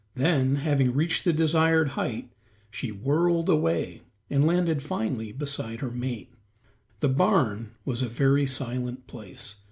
Then, having reached the desired height, she whirled away, and landed finally beside her mate. The barn was a very silent place.